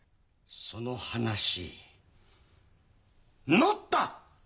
その話乗った！